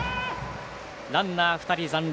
ランナー２人残塁。